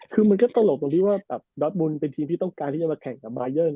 คือมันก็ตลกตรงที่ว่าแบบดอสมุนเป็นทีมที่ต้องการที่จะมาแข่งกับมาเยอร์